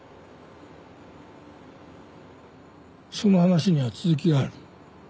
その話には続きがある。